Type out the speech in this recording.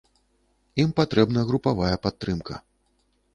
Ім патрэбна групавая падтрымка.